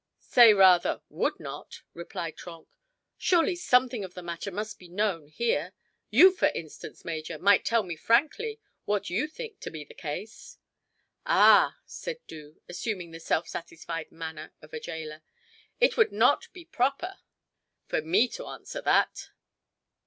"Say rather, would not," replied Trenck. "Surely, something of the matter must be known here. You, for instance, major, might tell me frankly what you think to be the case." "Ah!" said Doo, assuming the self satisfied manner of a jailer; "it would not be proper for me to answer that."